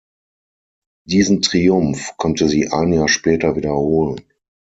Diesen Triumph konnte sie ein Jahr später wiederholen.